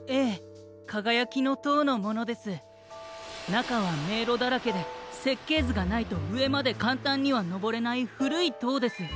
なかはめいろだらけでせっけいずがないとうえまでかんたんにはのぼれないふるいとうです。